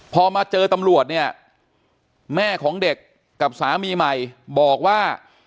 พอมาเจอตำรวจเนี่ยแม่ของเด็กกับสามีใหม่บอกว่า